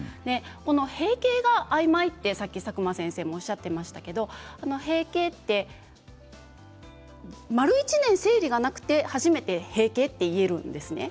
閉経があいまいとさっき佐久間先生がおっしゃっていましたが閉経は丸１年、生理がなくて初めて閉経と言えるんですね。